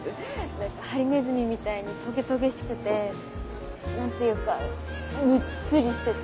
何かハリネズミみたいにとげとげしくて何ていうかむっつりしてて。